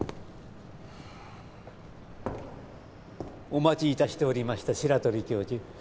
お待ち致しておりました白鳥教授。